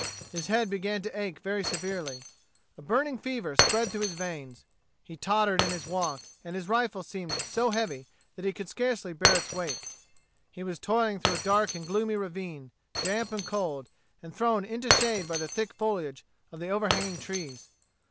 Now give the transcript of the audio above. His head began to ache very severely. A burning fever spread through his veins. He tottered in his walk, and his rifle seemed so heavy that he could scarcely bear its weight. He was toiling through a dark and gloomy ravine, damp and cold, and thrown into shade by the thick foliage of the overhanging trees.